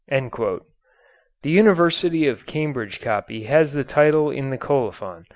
The University of Cambridge copy has the title in the colophon.